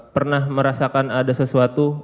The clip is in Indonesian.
pernah merasakan ada sesuatu